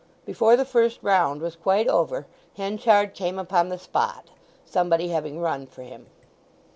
Before the first round was quite over Henchard came upon the spot, somebody having run for him.